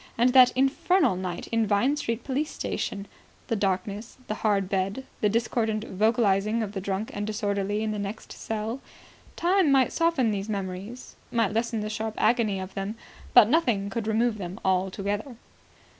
And that infernal night in Vine Street police station ... The darkness ... The hard bed. .. The discordant vocalising of the drunk and disorderly in the next cell. ... Time might soften these memories, might lessen the sharp agony of them; but nothing could remove them altogether.